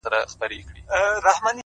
اخلاص عمل ته ارزښت ورکوي,